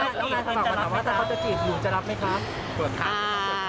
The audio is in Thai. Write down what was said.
ท่านขอยงมากว่าถ้าเขาจะจีบหนูจะรับไหมคะ